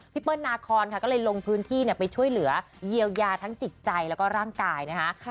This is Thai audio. เปิ้ลนาคอนค่ะก็เลยลงพื้นที่ไปช่วยเหลือเยียวยาทั้งจิตใจแล้วก็ร่างกายนะคะ